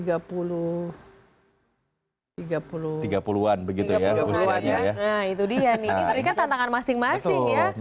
nah itu dia nih ini mereka tantangan masing masing ya